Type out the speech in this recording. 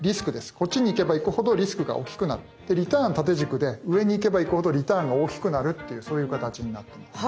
こっちに行けば行くほどリスクが大きくなってリターン縦軸で上に行けば行くほどリターンが大きくなるっていうそういう形になってます。